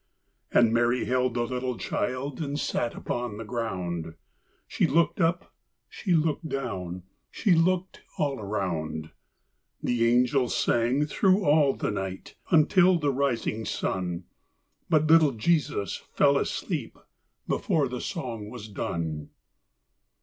And Mary held the little child And sat upon the ground; She looked up, she looked down, She looked all around. The angels sang thro' all the night Until the rising sun, But little Jesus fell asleep Before the song was done.